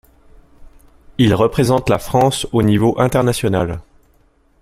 Il représente la France au niveau international.